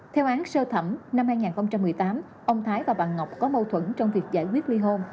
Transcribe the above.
theo án sơ thẩm năm hai nghìn một mươi tám ông thái và bà ngọc có mâu thuẫn trong việc giải quyết ly hôn